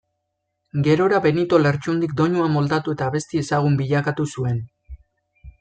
Gerora Benito Lertxundik doinua moldatu eta abesti ezagun bilakatu zuen.